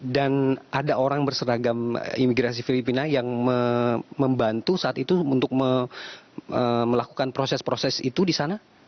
dan ada orang berseragam imigrasi filipina yang membantu saat itu untuk melakukan proses proses itu di sana